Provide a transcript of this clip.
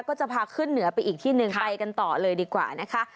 ก็จะพาขึ้นเหนือไปอีกที่หนึ่งไปกันต่อเลยดีกว่านะคะ